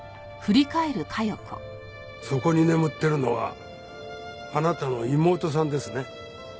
そこに眠ってるのはあなたの妹さんですね？